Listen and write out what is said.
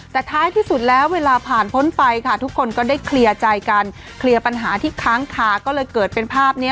แต่ท้ายที่สุดแล้วเวลาผ่านพ้นไปค่ะทุกคนก็ได้เคลียร์ใจกันเคลียร์ปัญหาที่ค้างคาก็เลยเกิดเป็นภาพนี้